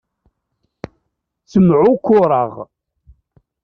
Ttemεukkureɣ.